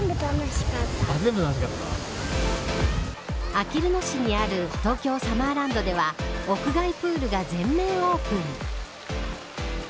あきる野市にある東京サマーランドでは屋外プールが全面オープン。